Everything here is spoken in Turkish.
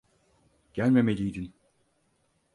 Gelmemeliydin.